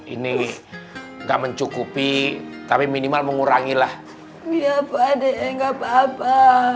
ini nggak mencukupi tapi minimal mengurangi lah iya pakde nggak papa